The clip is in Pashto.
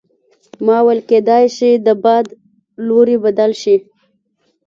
ما وویل کیدای شي د باد لوری بدل شي.